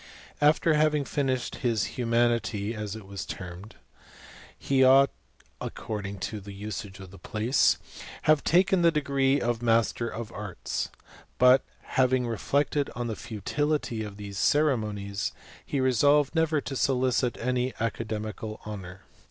After having finished his humaidty (as it was termed), he ought, according to the usage of the place, to have taken his degree of master of arts; but, having reflected on the futility of these ceremonies, he resolved never to solicit any aca demical honour.